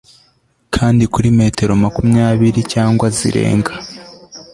kandi kuri metero makumyabiri cyangwa zirenga